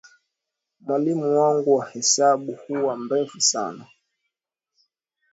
Mwalimu wangu wa hesabu huwa mrefu sana.